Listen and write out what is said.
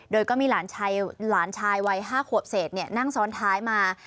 โดยก็มีหลานชายวัย๕ขวบเศษนั่งซ้อนท้ายมา